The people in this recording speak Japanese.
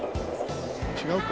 違うか。